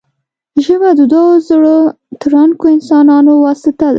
ژبه د دوو زړه تړونکو انسانانو واسطه ده